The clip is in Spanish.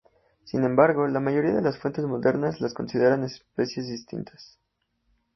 Sin embargo, la mayoría de las fuentes modernas las consideran especies distintas.